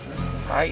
はい。